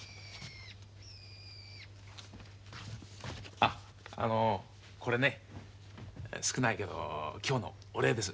あっあのこれね少ないけど今日のお礼です。